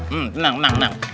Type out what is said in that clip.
hmm tenang tenang tenang